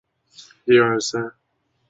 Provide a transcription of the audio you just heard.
家纹是六鸠酢草纹。